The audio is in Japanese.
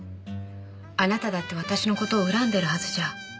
あなただって私の事を恨んでるはずじゃ。